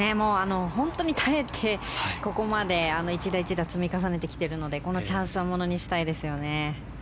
耐えてここまで１打１打積み重ねてきているのでこのチャンスはものにしたいですよね。